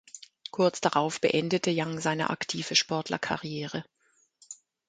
Kurz darauf beendete Yang seine aktive Sportlerkarriere.